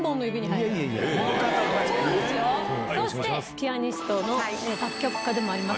ピアニストの作曲家でもあります